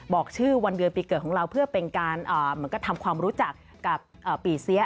บอกชื่อวันเดือนปีเกิดของเราเพื่อเป็นการเหมือนกับทำความรู้จักกับปีเสีย